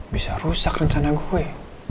bisa rusak rencana gue